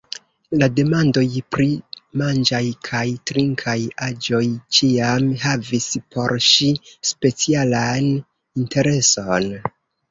La demandoj pri manĝaj kaj trinkaj aĵoj ĉiam havis por ŝi specialan intereson.